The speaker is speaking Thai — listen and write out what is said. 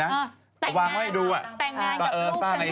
แต่เจ้าสาวไหนเห็นอะไรแบบนี้